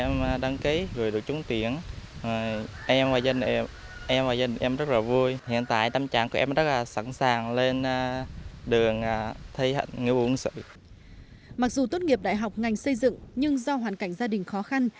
mặc dù tốt nghiệp đại học ngành xây dựng nhưng do hoàn cảnh gia đình khó khăn